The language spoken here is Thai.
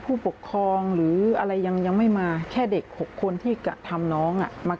ผู้ปกครองหรืออะไรยังไม่มาแค่เด็ก๖คนที่กระทำน้องมา